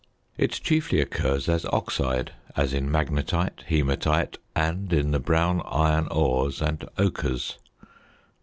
It chiefly occurs as oxide, as in magnetite, hæmatite, and in the brown iron ores and ochres.